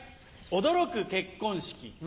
驚く結婚式。